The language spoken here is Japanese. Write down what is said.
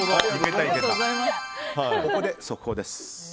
ここで速報です。